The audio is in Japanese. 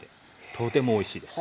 とてもおいしいです。